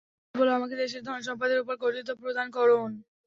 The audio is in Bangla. ইউসুফ বলল, আমাকে দেশের ধন-সম্পদের উপর কর্তৃত্ব প্রদান করুন।